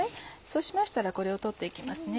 そうしましたらこれを取って行きます。